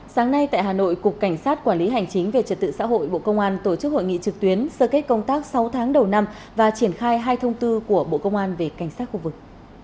sáng nay tại hà nội cục cảnh sát quản lý hành chính về trật tự xã hội bộ công an tổ chức hội nghị trực tuyến sơ kết công tác sáu tháng đầu năm và triển khai hai thông tư của bộ công an về cảnh sát khu vực